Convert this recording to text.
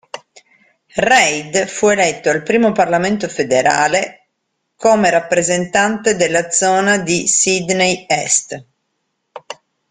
Reid fu eletto al primo parlamento federale com rappresentante della zona di Sydney Est.